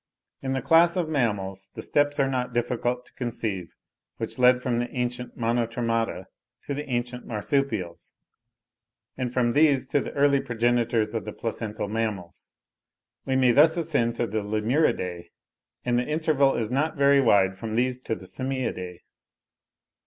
In the class of mammals the steps are not difficult to conceive which led from the ancient Monotremata to the ancient Marsupials; and from these to the early progenitors of the placental mammals. We may thus ascend to the Lemuridae; and the interval is not very wide from these to the Simiadae.